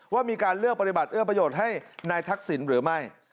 ว่ามีการเลือกปฏิบัติเอื้อประโยชน์ให้นายทักษิณหรือไม่